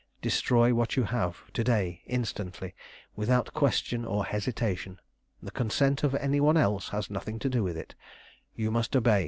Destroy what you have, to day, instantly, without question or hesitation. The consent of any one else has nothing to do with it. You must obey.